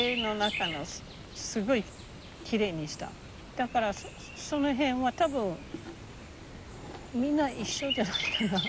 だからその辺は多分みんな一緒じゃないかな？